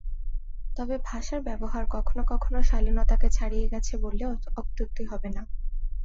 তবে ভাষার ব্যবহার কখনো কখনো শালীনতাকে ছাড়িয়ে গেছে বললে অত্যুক্তি হবে না।